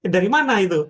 dari mana itu